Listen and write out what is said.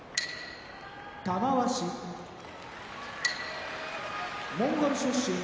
玉鷲モンゴル出身